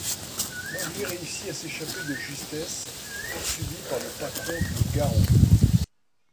Mowgli réussit à s'échapper de justesse, poursuivi par le patron de Garo.